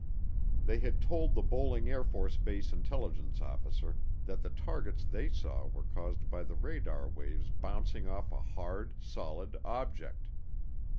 They had told the Bolling AFB intelligence officer that the targets they saw were caused by the radar waves' bouncing off a hard, solid object.